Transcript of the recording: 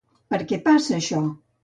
Per què passa això?